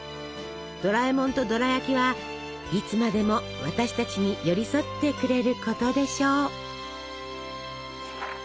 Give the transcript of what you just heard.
ドラえもんとドラやきはいつまでも私たちに寄り添ってくれることでしょう。